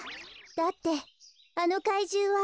だってあのかいじゅうは。